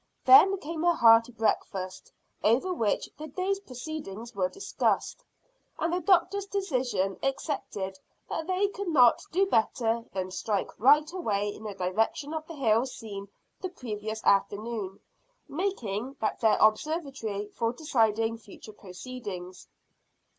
Then came a hearty breakfast, over which the day's proceedings were discussed, and the doctor's decision accepted that they could not do better than strike right away in the direction of the hill seen the previous afternoon, making that their observatory for deciding future proceedings.